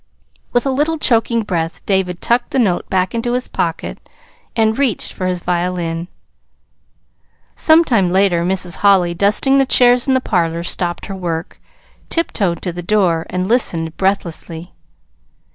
With a little choking breath, David tucked the note back into his pocket and reached for his violin. Some time later, Mrs. Holly, dusting the chairs in the parlor, stopped her work, tiptoed to the door, and listened breathlessly.